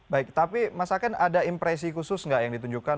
baik tapi masakan ada impresi khusus gak yang ditunjukkan